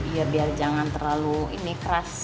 ya biar jangan terlalu ini keras